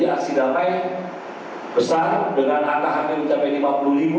jadi aksi damai besar dengan harga hampir mencapai lima puluh ribu